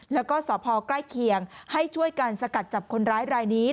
แล้วก็สพใกล้เคียงให้ช่วยกันสกัดจับคนร้ายรายนี้